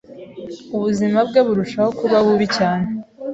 ubuzima bwe burushaho kuba bubi cyane